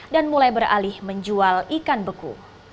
dan mulai beralih menjual ikan beku